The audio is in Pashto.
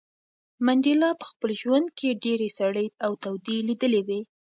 منډېلا په خپل ژوند کې ډېرې سړې او تودې لیدلې وې.